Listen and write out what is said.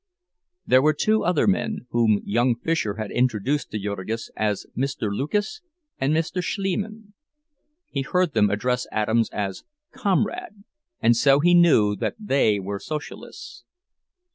There were two other men, whom young Fisher had introduced to Jurgis as Mr. Lucas and Mr. Schliemann; he heard them address Adams as "Comrade," and so he knew that they were Socialists.